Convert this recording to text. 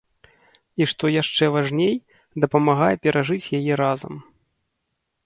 І што яшчэ важней, дапамагае перажыць яе разам.